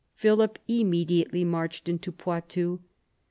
Philip immediately marched into Poitou.